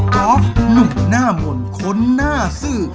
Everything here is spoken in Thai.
อล์ฟหนุ่มหน้ามนต์คนหน้าซื่อ